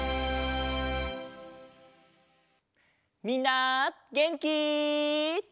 みんなげんき？